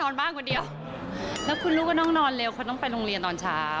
แล้วคุณลูกก็ต้องนอนเร็วเค้าต้องไปโรงเรียนนอนเช้า